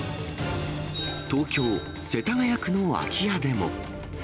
東京・世田谷区の空き家でも。